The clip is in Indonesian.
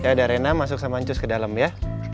ya ada rena masuk sama ancus ke dalam ya